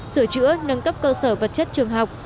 sửa chữa nâng cấp cơ sở vật chất trường học